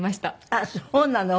あっそうなの？